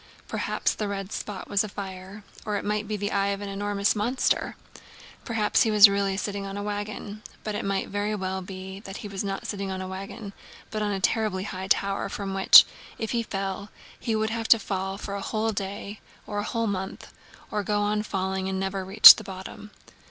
Perhaps the red spot was a fire, or it might be the eye of an enormous monster. Perhaps he was really sitting on a wagon, but it might very well be that he was not sitting on a wagon but on a terribly high tower from which, if he fell, he would have to fall for a whole day or a whole month, or go on falling and never reach the bottom.